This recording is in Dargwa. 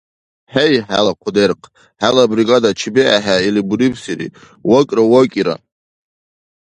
Гьей, хӀела хъу дерхъ, хӀела бригада чебиэхӀе или бурибсири, вакӀра вакӀира!